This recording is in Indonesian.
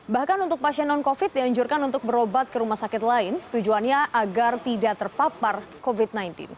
bahkan untuk pasien non covid dianjurkan untuk berobat ke rumah sakit lain tujuannya agar tidak terpapar covid sembilan belas